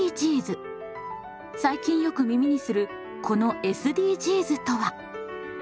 最近よく耳にするこのＳＤＧｓとは？